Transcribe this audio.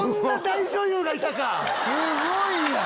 ⁉すごいやん！